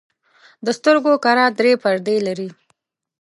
د سترګو کره درې پردې لري.